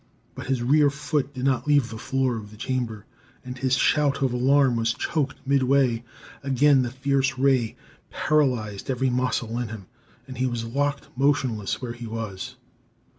But his rear foot did not leave the floor of the chamber, and his shout of alarm was choked midway. Again the fierce ray paralyzed every muscle in him, and he was locked motionless where he was.